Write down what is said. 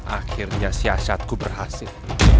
akhirnya siasatku berhasil